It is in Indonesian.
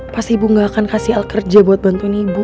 pasti ibu tidak akan kasih el kerja untuk membantu ibu